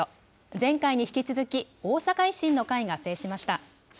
前回に引き続き、大阪維新の会が制しました。